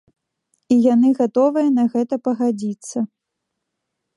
І яны гатовыя на гэта пагадзіцца.